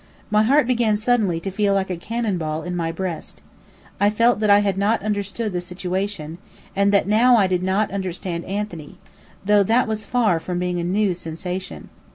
My heart began suddenly to feel like a cannon ball, in my breast. I felt that I had not understood the situation, and that now I did not understand Anthony though that was far from being a new sensation.